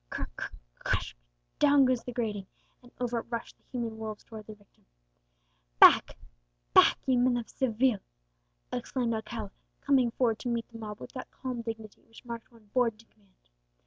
Cr cr cr ash! down goes the grating, and over it rush the human wolves towards their victim. "Back, back, ye men of Seville!" exclaimed Alcala, coming forward to meet the mob with that calm dignity which marked one born to command.